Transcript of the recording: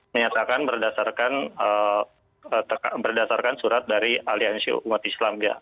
menyatakan berdasarkan surat dari aliansi umat islam